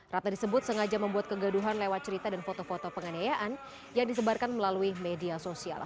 ratna disebut sengaja membuat kegaduhan lewat cerita dan foto foto penganiayaan yang disebarkan melalui media sosial